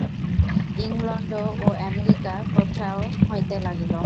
England ও আমেরিকার কথাও হইতে লাগিল।